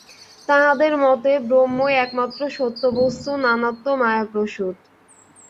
তাঁহাদের মতে ব্রহ্মই একমাত্র সত্য বস্তু, নানাত্ব মায়াপ্রসূত।